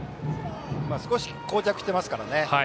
少しこう着していますからね。